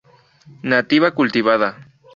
Nativa cultivada.